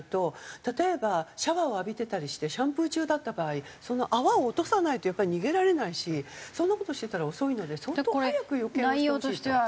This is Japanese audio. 例えばシャワーを浴びてたりしてシャンプー中だった場合その泡を落とさないとやっぱり逃げられないしそんな事してたら遅いので相当早く予見をしてほしい。